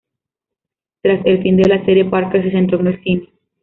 Tras el fin de la serie, Parker se centró en el cine.